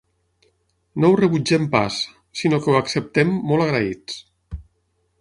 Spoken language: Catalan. No ho rebutgem pas, sinó que ho acceptem molt agraïts.